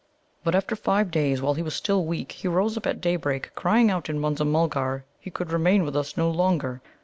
But after five days, while he was still weak, he rose up at daybreak, crying out in Munza mulgar he could remain with us no longer.